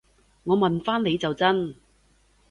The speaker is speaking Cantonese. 我問返你就真